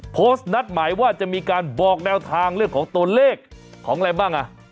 โพสต์นัดหมายว่าจะมีการบอกแนวทางเรื่องของตัวเลขของอะไรบ้างอ่ะ